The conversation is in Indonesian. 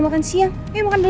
makannya di rumah aja